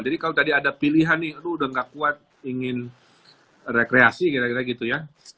jadi kalau tadi ada pilihan nih lu udah nggak kuat ingin rekreasi kira kira gitu ya